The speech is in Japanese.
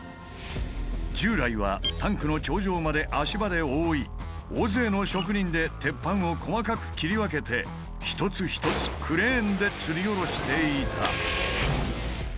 従来はタンクの頂上まで足場で覆い大勢の職人で鉄板を細かく切り分けて一つ一つクレーンでつりおろしていた。